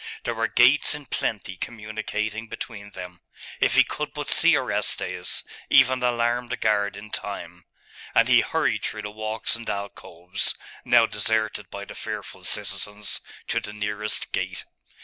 There were gates in plenty communicating between them. If he could but see Orestes, even alarm the guard in time!.... And he hurried through the walks and alcoves, now deserted by the fearful citizens, to the nearest gate.